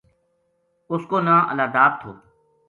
اس کو نا ں اللہ داد تھو